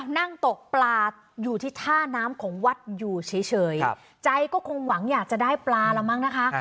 นั่งตกปลาอยู่ที่ท่าน้ำของวัดอยู่เฉยใจก็คงหวังอยากจะได้ปลาแล้วมั้งนะคะ